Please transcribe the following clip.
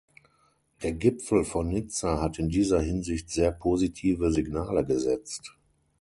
Der Gipfel von Nizza hat in dieser Hinsicht sehr positive Signale gesetzt.